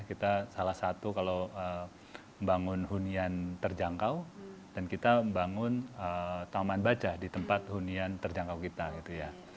kita salah satu kalau membangun hunian terjangkau dan kita membangun taman baca di tempat hunian terjangkau kita gitu ya